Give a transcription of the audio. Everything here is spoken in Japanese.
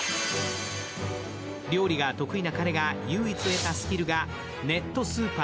料理が得意な彼が唯一得たスキルが、ネットスーパー。